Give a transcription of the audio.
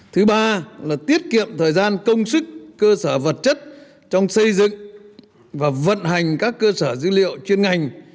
thứ ba là tiết kiệm thời gian công sức cơ sở vật chất trong xây dựng và vận hành các cơ sở dữ liệu chuyên ngành